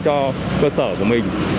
cho cơ sở của mình